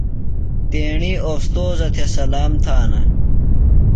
تیݨی اوستوذہ تھےۡ سلام تھانہ۔